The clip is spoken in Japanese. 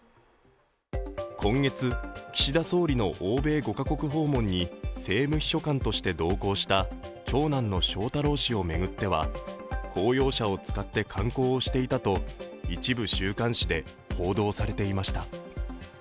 今月、岸田総理の欧米５か国訪問に政務秘書官として同行した長男の翔太郎氏をめぐっては公用車を使って観光をしていたと一部週刊誌で報道されていました。